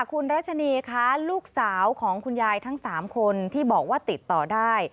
คุณรัชนีคะลูกสาวของคุณยายทั้ง๓คนที่บอกว่าติดต่อได้